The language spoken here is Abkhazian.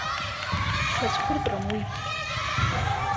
Шьацәхыртәрам уи.